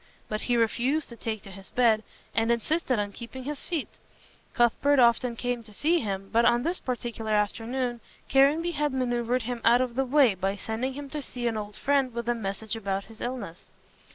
But he refused to take to his bed, and insisted on keeping his feet. Cuthbert often came to see him, but on this particular afternoon Caranby had manoeuvred him out of the way by sending him to see an old friend with a message about his illness.